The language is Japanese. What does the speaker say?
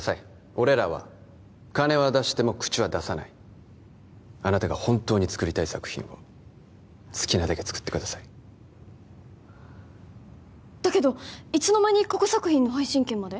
俺らは金は出しても口は出さないあなたが本当に作りたい作品を好きなだけ作ってくださいだけどいつの間に過去作品の配信権まで？